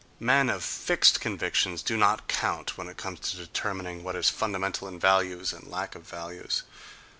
Men of fixed convictions do not count when it comes to determining what is fundamental in values and lack of values.